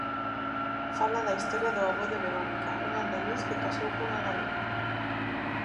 Fala da historia do avó de Verónica, un andaluz que casou cunha galega.